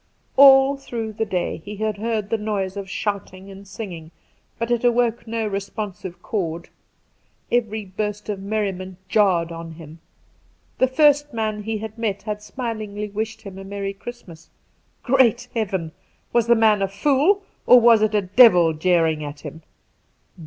All through the day he had heard the noise of shouting and singing, but it awoke no responsive chord. Every burst of merriment jarred on him. The first man he had met had smilingly wished him a merry Christmas. Great Heaven I was the man a fool, or was it a devil jeering at him?